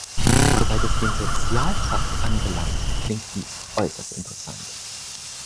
Soweit es den Sozialpakt anbelangt, klingt dies äußerst interessant.